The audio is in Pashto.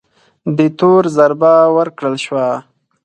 دې تور ضربه ورکړل شوه